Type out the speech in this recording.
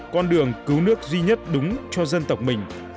con đường cứu nước duy nhất đúng cho dân tộc mình